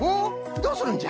どうするんじゃ？